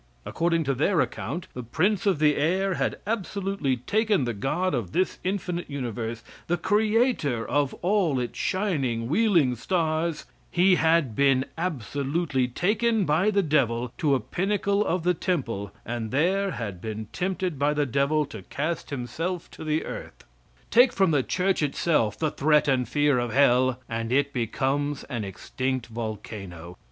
According to their account, the prince of the air had absolutely taken the God of this infinite Universe, the Creator of all its shining, wheeling stars he had been absolutely taken by the devil to a pinnacle of the temple, and there had been tempted by the devil to cast himself to the earth. Take from the church itself the threat and fear of hell and it becomes an extinct volcano.